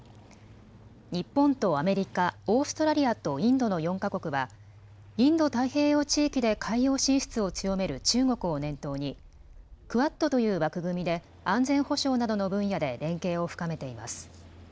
日本とアメリカ、オーストラリアとインドの４か国はインド太平洋地域で海洋進出を強める中国を念頭にクアッドという枠組みで安全保障などの分野で連携を深めています。